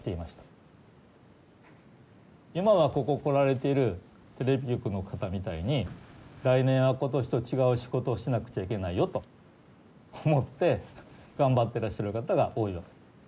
今はここ来られているテレビ局の方みたいに来年は今年と違う仕事をしなくちゃいけないよと思って頑張ってらっしゃる方が多いわけ。